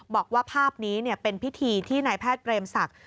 บอกว่าภาพนี้เป็นพิธีที่นายแพทย์เปรมศักดิ์